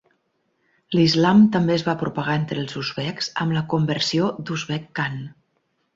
L'islam també es va propagar entre els uzbeks amb la conversió d'Uzbeg Khan.